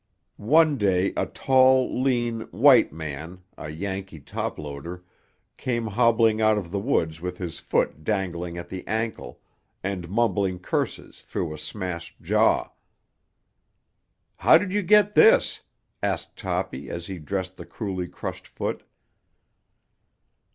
One day a tall, lean "white man," a Yankee top loader, came hobbling out of the woods with his foot dangling at the ankle, and mumbling curses through a smashed jaw. "How did you get this?" asked Toppy, as he dressed the cruelly crushed foot.